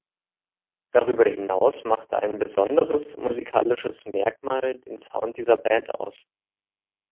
Darüber hinaus machte ein besonderes musikalisches Merkmal den Sound dieser Band aus.